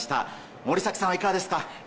森崎さん、いかがですか。